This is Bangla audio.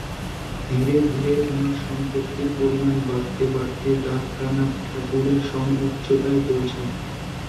ধীরে ধীরে ওনার সম্পত্তির পরিমাণ বাড়তে বাড়তে দ্বারকানাথ ঠাকুরের সমউচ্চতায় পৌঁছায়।